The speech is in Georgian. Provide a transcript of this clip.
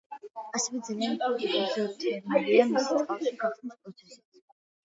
ასევე ძალიან ეგზოთერმულია მისი წყალში გახსნის პროცესიც.